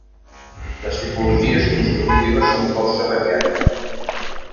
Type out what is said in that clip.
Les tipologies constructives són força variades.